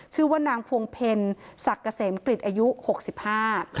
ชื่อว่านางพวงเพลศักดิ์เกษมกริจอายุหกสิบห้า